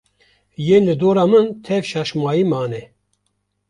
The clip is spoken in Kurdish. Yên li dora min tev şaşmayî mane